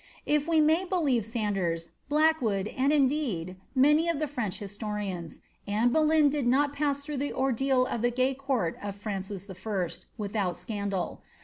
If we may believe ! Blackwood, and, indeed, many of the French historians, Anne did not pass through the ordeal of the gay court of Francis I. scandal.